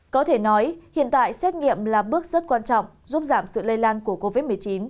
có thể nói hiện tại xét nghiệm là bước rất quan trọng giúp giảm sự lây lan của covid một mươi chín